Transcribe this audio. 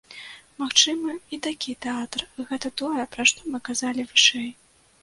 Магчымы і такі тэатр, гэта тое, пра што мы казалі вышэй.